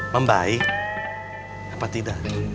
membaik apa tidak